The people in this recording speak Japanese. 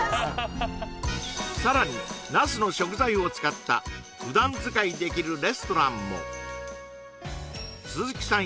さらに那須の食材を使った普段使いできるレストランも鈴木さん